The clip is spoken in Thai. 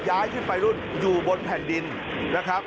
ย้ายขึ้นไปรุ่นอยู่บนแผ่นดินนะครับ